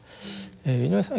井上さん